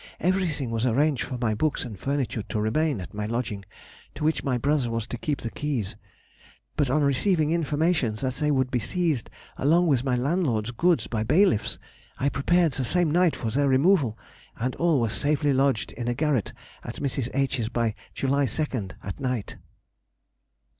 Everything was arranged for my books and furniture to remain at my lodging, to which my brother was to keep the keys. But on receiving information they would be seized along with my landlord's goods by bailiffs, I prepared the same night for their removal, and all was safely lodged in a garret at Mrs. H.'s by July 2 at night.